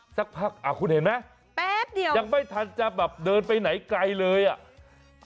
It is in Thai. สักพักอ่ะคุณเห็นไหมแป๊บเดียวยังไม่ทันจะแบบเดินไปไหนไกลเลยอ่ะ